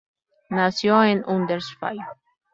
Nació en Huddersfield.